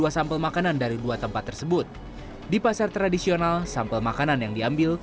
dua sampel makanan dari dua tempat tersebut di pasar tradisional sampel makanan yang diambil